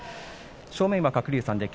正面は鶴竜さんです。